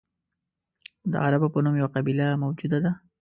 د عربو په نوم یوه قبیله موجوده وه.